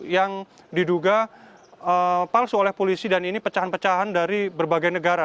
yang diduga palsu oleh polisi dan ini pecahan pecahan dari berbagai negara